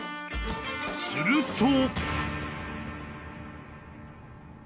［すると］